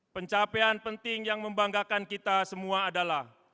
pencapaian penting yang membanggakan kita semua adalah